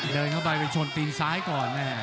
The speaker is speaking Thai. เดินเข้าไปไปชนตีนซ้ายก่อน